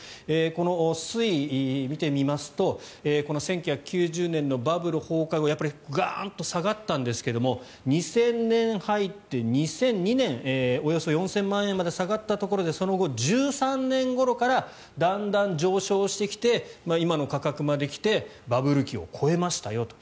この推移を見てみますと１９９０年のバブル崩壊後やっぱりガーンと下がったんですが２０００年に入って、２００２年およそ４０００万円まで下がったところでその後、１３年ごろからだんだん上昇してきて今の価格まで来てバブル期を超えましたよと。